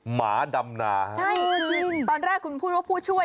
หมาดำนาฮะ๕๕๕๐๐๑๐๐๒ตอนแรกคุณพูดว่าผู้ช่วย